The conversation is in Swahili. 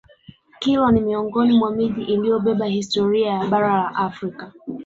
Kilwa ni miongoni mwa miji iliyobeba historia ya Bara la Afrika